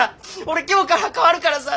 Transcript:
俺今日から変わるからさ。